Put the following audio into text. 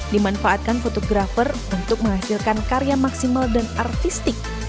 dimanfaatkan fotografer untuk menghasilkan karya maksimal dan artistik